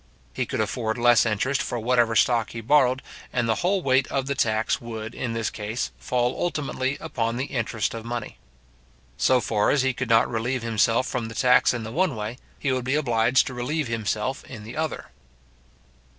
He could afford less interest for whatever stock he borrowed, and the whole weight of the tax would, in this case, fall ultimately upon the interest of money. So far as he could not relieve himself from the tax in the one way, he would be obliged to relieve himself in the other.